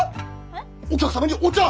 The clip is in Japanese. お客様にお茶！